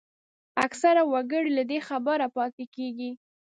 اکثره وګړي له دې ناخبره پاتېږي